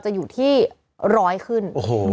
จะอยู่ที่๑๐๐ขึ้น